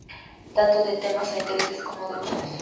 Tanto de temas o intereses como de usos.